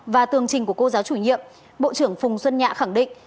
và tường trình của cô giáo chủ nhiệm bộ trưởng phùng xuân nhạ khẳng định